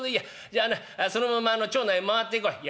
じゃあなそのまま町内回ってこい。